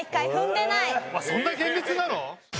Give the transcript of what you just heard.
そんな厳密なの？